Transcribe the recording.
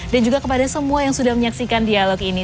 dan juga kepada semua yang sudah menyaksikan dialog ini